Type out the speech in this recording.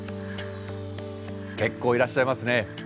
結構いらっしゃいますね。